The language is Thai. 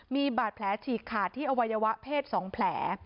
มีบาดแผลฉีกขาดที่อวัยวะเพศ๒แผล